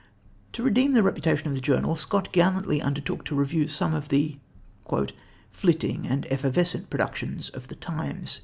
To redeem the reputation of the journal, Scott gallantly undertook to review some of the "flitting and evanescent productions of the times."